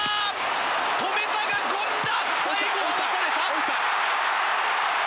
止めたが権田！